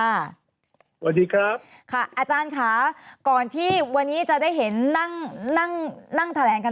อาจารย์อารมณ์ดีตลอดเลย